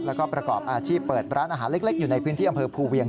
แล้วก็ประกอบอาชีพเปิดร้านอาหารเล็กอยู่ในพื้นที่อำเภอภูเวียง